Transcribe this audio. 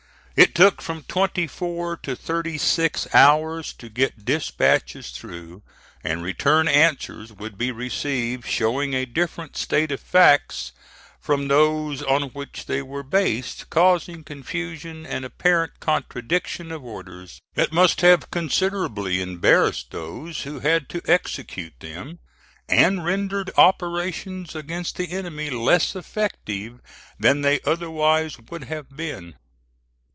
It took from twenty four to thirty six hours to get dispatches through and return answers would be received showing a different state of facts from those on which they were based, causing confusion and apparent contradiction of orders that must have considerably embarrassed those who had to execute them, and rendered operations against the enemy less effective than they otherwise would have been.